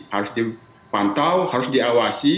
harus dipantau harus diawasi